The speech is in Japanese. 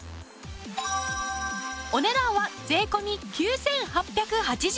お値段は税込９８８０円。